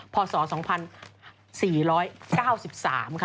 พศ๒๔๙๓ค่ะ